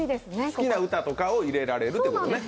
好きな歌とかを入れられるということね。